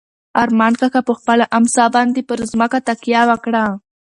ارمان کاکا په خپله امسا باندې پر ځمکه تکیه وکړه.